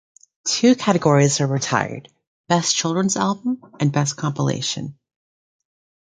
Two categories were retired 'Best Children's Album', and 'Best Compilation'.